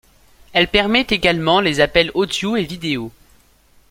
Elle permet également les appels audio et vidéo.